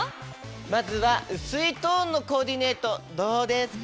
まずはうすいトーンのコーディネートどうですか？